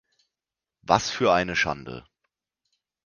Was für eine Schande!